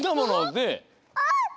あっ！